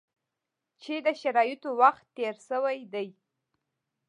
چې د شرایطو وخت تېر شوی دی.